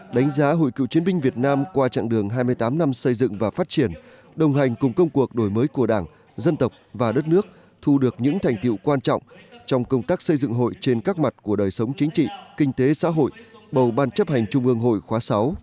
đánh giá hội cựu chiến binh việt nam qua trạng đường hai mươi tám năm xây dựng và phát triển đồng hành cùng công cuộc đổi mới của đảng dân tộc và đất nước thu được những thành tiệu quan trọng trong công tác xây dựng hội trên các mặt của đời sống chính trị kinh tế xã hội bầu ban chấp hành trung ương hội khóa sáu